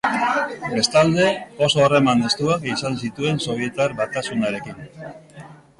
Bestalde, oso harreman estuak izan zituen Sobietar Batasunarekin.